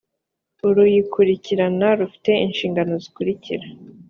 uru yikurikirana rufite inhingano zikurikira :